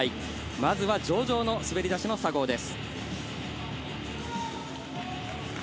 まずは上々の滑り出しの佐合です。